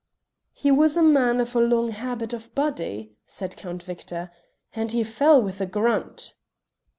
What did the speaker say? "He was a man of a long habit of body," said Count Victor, "and he fell with a grunt."